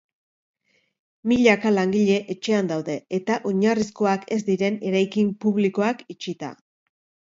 Milaka langile etxean daude, eta oinarrizkoak ez diren eraikin publikoak itxita.